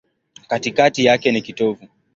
Katikati yake ni kitovu.